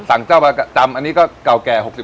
สั่งเจ้าประจำอันนี้ก็เก่าแก่๖๐กว่าปี